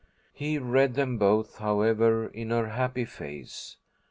He read them both, however, in her happy face.